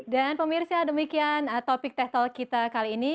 dan pemirsa demikian topik teltal kita kali ini